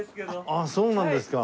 ああそうなんですか。